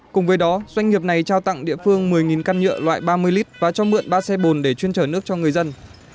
cùng với đó doanh nghiệp này trao tặng địa phương một mươi căn nhựa loại ba mươi lít và cho mượn ba xe bồn để chuyên chở nước cho người dân